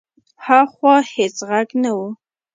هاخوا هېڅ غږ نه و.